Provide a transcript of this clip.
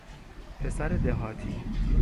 پسر دهاتی